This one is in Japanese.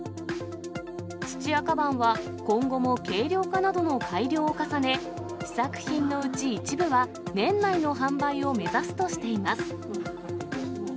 土屋鞄は、今後も軽量化などの改良を重ね、試作品のうち一部は、年内の販売を目指すとしています。